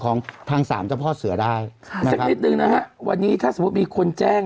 ของทางสามเจ้าพ่อเสือได้ค่ะสักนิดนึงนะฮะวันนี้ถ้าสมมุติมีคนแจ้ง